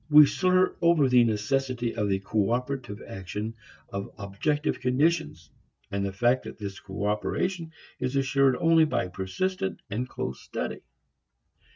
We slur over the necessity of the cooperative action of objective conditions, and the fact that this cooperation is assured only by persistent and close study.